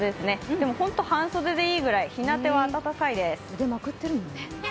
でも、半袖でいいくらいひなたは暖かいです。